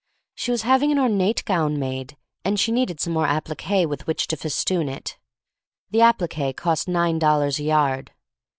She was having an ornate gown made, and she needed some more applique with which to festoon it. The applique cost nine dollars a yard.